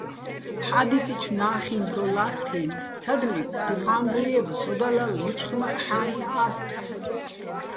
ჰ̦ა́დიწიჩო̆ ნა́ხიჼ დრო ლათთ ი́ნც: ცადლიბ, დუჴ ა́მბუჲ ჲებ, სოდა ლალ, მიჩხმაჸ ჰ̦აიჼ ალ'.